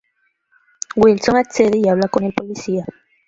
Wilson accede y habla con el policía.